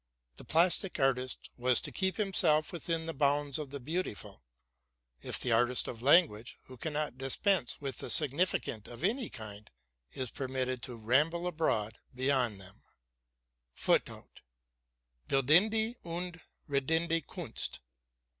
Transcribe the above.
The plastic artist was to keep himself within the bounds of the beautiful, if the artist of language, who cannot dispense with the significant in any kind, is permitted to ramble 1 "Bildende und Redende Kunst."